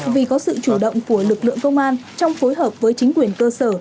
vì có sự chủ động của lực lượng công an trong phối hợp với chính quyền cơ sở